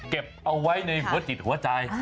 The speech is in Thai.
เก็บเอาไว้ในหัวจิตหัวใจ